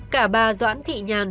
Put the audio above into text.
cả bà doãn thị nhàn